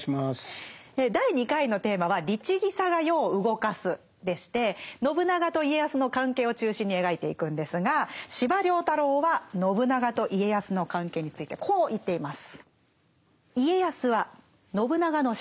第２回のテーマは信長と家康の関係を中心に描いていくんですが司馬太郎は信長と家康の関係についてこう言っています。